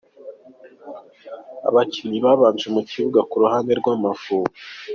Abakinnyi babanje mu kibuga ku ruhande rw’Amavubi:.